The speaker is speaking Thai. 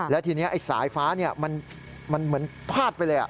แล้วทีนี้ไอ้สายฟ้ามันเหมือนพาดไปเลย